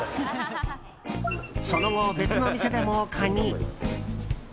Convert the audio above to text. その後、別の店でもカニ。